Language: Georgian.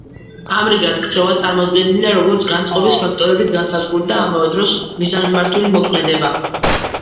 ამრიგად, ქცევა წარმოდგენილია, როგორც განწყობის ფაქტორებით განსაზღვრული და ამავე დროს მიზანმიმართული მოქმედება.